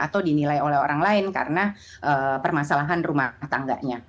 atau dinilai oleh orang lain karena permasalahan rumah tangganya